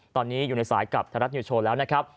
ตอนนี้อยู่ในสายกับไทยรัฐนิวโชว์แล้วนะครับ